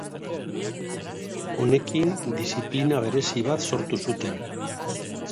Honekin diziplina berezi bat sortu zuten.